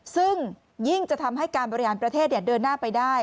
ซึ่งยิ่งจะทำให้การบริหารประเทศเดินหน้าไปได้